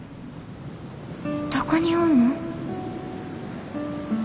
どこにおんの？